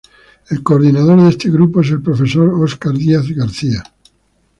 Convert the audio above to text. El coordinador de este grupo es el profesor Oscar Díaz García.